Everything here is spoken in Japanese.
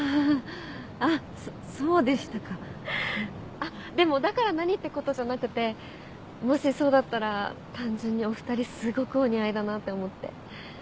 あっでもだから何ってことじゃなくてもしそうだったら単純にお二人すごくお似合いだなって思って。